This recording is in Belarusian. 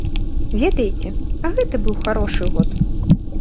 Ведаеце, а гэта быў харошы год.